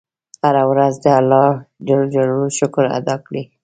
هره ورځ د الله شکر ادا کړه.